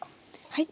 はい。